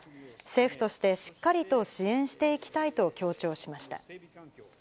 政府としてしっかりと支援していきたいと強調しました。